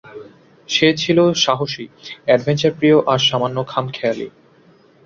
সে ছিল সাহসী, এডভেঞ্চারপ্রিয় আর সামান্য খামখেয়ালী।